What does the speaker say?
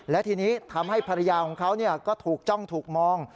และทีนี้ทำให้ภรรยาของเขาก็ถูกจ้องถูกมอง